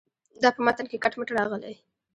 دا په متن کې کټ مټ راغلې.